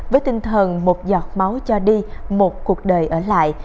với tinh thần một giọt máu cho đi một cuộc đời ở lại